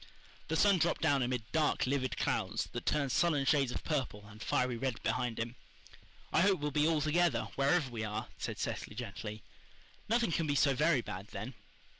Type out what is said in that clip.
The sun dropped down amid dark, livid clouds, that turned sullen shades of purple and fiery red behind him. "I hope we'll be all together, wherever we are," said Cecily gently. "Nothing can be so very bad then."